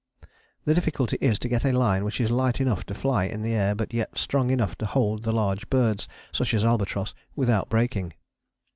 The difficulty is to get a line which is light enough to fly in the air, but yet strong enough to hold the large birds, such as albatross, without breaking.